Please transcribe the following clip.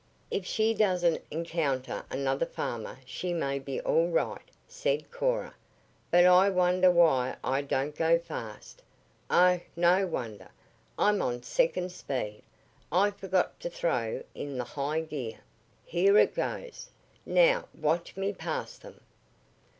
"If she doesn't encounter another farmer she may be all right," said Cora. "But I wonder why I don't go faster. Oh, no wonder. I'm on second speed. I forgot to throw in the high gear. Here it goes. Now watch me pass them."